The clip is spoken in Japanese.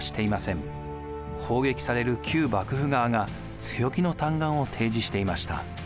攻撃される旧幕府側が強気の嘆願を提示していました。